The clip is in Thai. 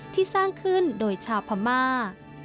ที่สร้างขึ้นโดยชาวพม่า